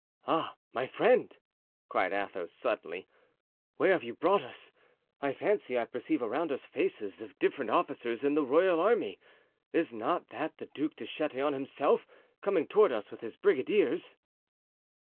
"Ah! my friend!" cried Athos, suddenly, "where have you brought us? I fancy I perceive around us faces of different officers in the royal army; is not that the Duc de Chatillon himself coming toward us with his brigadiers?"